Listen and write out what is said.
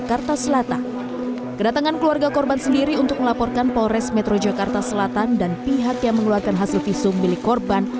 wasahukum keluarga mengatakan proses penyelidikan dan penyidikan